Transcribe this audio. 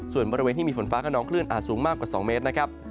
ส่วนบริเวณที่มีฝนฟ้าขนองคลื่นอาจสูงมากกว่า๒เมตรนะครับ